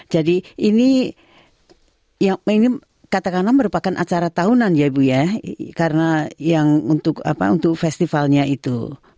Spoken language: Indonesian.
jadi ini katakanlah merupakan acara tahunan ya ibu ya karena untuk festivalnya itu